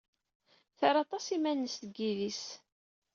Terra aṭas iman-nnes deg yidis.